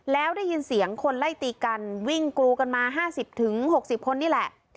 แล้วได้ยินเสียงคนไล่ตีกันวิ่งกรูกันมา๕๐๖๐คนนี่แหละ